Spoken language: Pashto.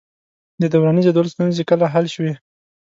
د دوراني جدول ستونزې کله حل شوې؟